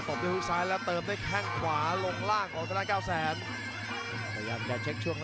เพชรศัลชัยพยายามจะเสียบด้วยข่าวขวา